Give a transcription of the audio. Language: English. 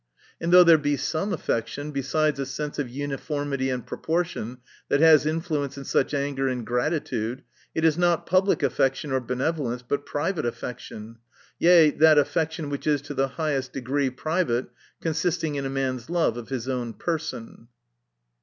And though there be some affection, besides a sense of uniformity and proportion, that has influence in such anger and gratitude, it is not public affec tion or benevolence, but private affection ; yea, that affection which is to the highest degree private, consisting in a man's love of his own person.